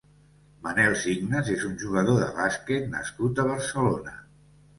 Manel Signes és un jugador de bàsquet nascut a Barcelona.